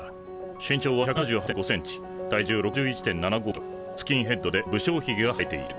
身長は１７８．５センチ体重６１．７５キロスキンヘッドで不精ひげが生えている。